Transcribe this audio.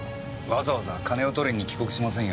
わざわざ金を取りに帰国しませんよ。